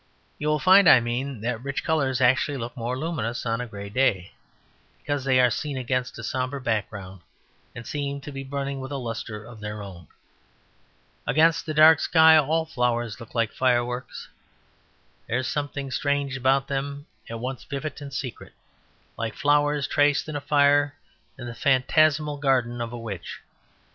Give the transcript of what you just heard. You will find, I mean, that rich colours actually look more luminous on a grey day, because they are seen against a sombre background and seem to be burning with a lustre of their own. Against a dark sky all flowers look like fireworks. There is something strange about them, at once vivid and secret, like flowers traced in fire in the phantasmal garden of a witch.